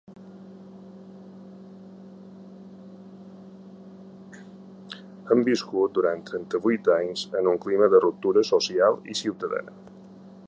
Hem viscut durant trenta-vuit anys en un clima de ruptura social i ciutadana.